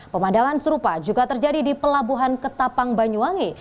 pemandangan serupa juga terjadi di pelabuhan ketapang banyuwangi